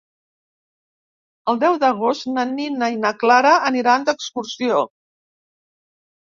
El deu d'agost na Nina i na Clara aniran d'excursió.